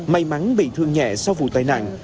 may mắn bị thương nhẹ sau vụ tai nạn